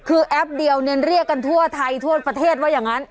คือแอปเดียวเนี่ยเรียกกันทั่วไทยทั่วประเทศว่าอย่างนั้น